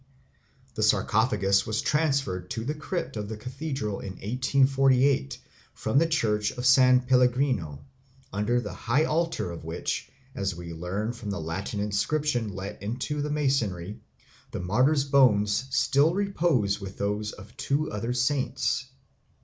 The sarcophagus was transferred to the crypt of the cathedral in 1848 from the church of San Pellegrino, under the high altar of which, as we learn from a Latin inscription let into the masonry, the martyr's bones still repose with those of two other saints.